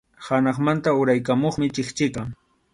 Hanaqmanta uraykamuqmi chikchiqa.